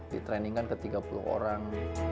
di training kan ke tiga puluh orang